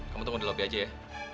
kamu tunggu di lobby aja ya